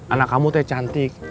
anak kamu tuh cantik